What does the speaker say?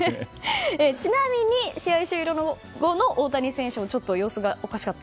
ちなみに試合終了後の大谷選手も様子がおかしかった。